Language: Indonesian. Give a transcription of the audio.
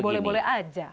itu boleh boleh aja